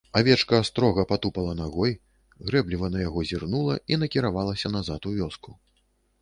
Авечка строга патупала нагой, грэбліва на яго зірнула і накіравалася назад у вёску.